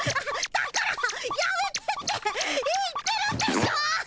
だからやめてって言ってるでしょ！